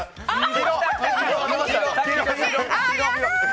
黄色！